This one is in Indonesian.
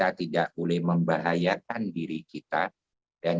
dan juga tidak boleh membuat kita kebohongan